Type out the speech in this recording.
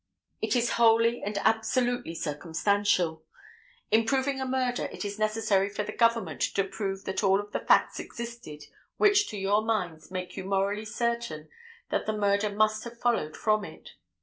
It is wholly and absolutely circumstantial. In proving a murder it is necessary for the government to prove that all of the facts existed which to your minds make you morally certain that the murder must have followed from it.